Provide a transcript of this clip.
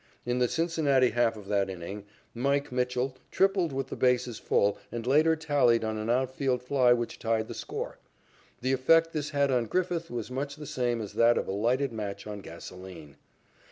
In the Cincinnati half of that inning, "Mike" Mitchell tripled with the bases full and later tallied on an outfield fly which tied the score. The effect this had on Griffith was much the same as that of a lighted match on gasolene.